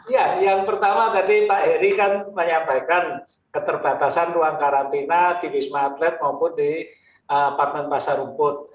ya yang pertama tadi pak heri kan menyampaikan keterbatasan ruang karantina di wisma atlet maupun di partmen pasar rumput